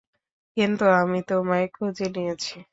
কিন্তু আমি তোমায় খুঁজে নিয়েছি।